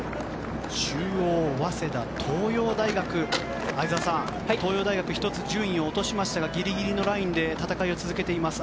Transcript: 中央、早稲田、東洋相澤さん、東洋大学１つ順位を落としましたがギリギリのラインで戦いを続けています。